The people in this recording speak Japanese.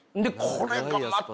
これがまた。